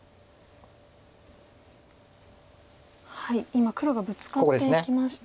今黒がブツカっていきました。